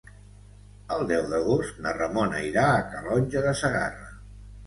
El deu d'agost na Ramona irà a Calonge de Segarra.